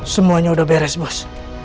semuanya udah beres bos